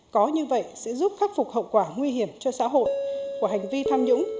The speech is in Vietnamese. có như vậy sẽ giúp khắc phục hậu quả nguy hiểm cho xã hội của hành vi tham nhũng